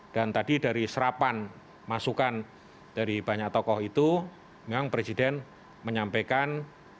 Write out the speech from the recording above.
dan tadi dari serapan masukan dari banyak tokoh itu memang presiden menyampaikan